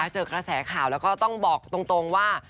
เจอกระแสข่าวแล้วก็ต้องบอกตรงว่า